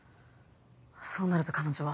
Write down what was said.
そうなると彼女は。